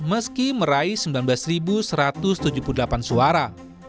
meski meraih sembilan belas satu ratus tujuh puluh delapan suara